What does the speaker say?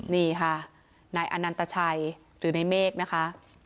นี่ค่ะนายอนันตชัยหรือในเมฆนะคะ